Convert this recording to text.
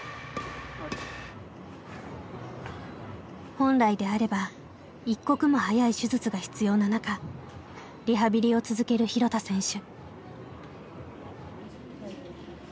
本来であれば一刻も早い手術が必要な中リハビリを続ける廣田選手。